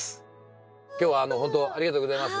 今日は本当ありがとうございます。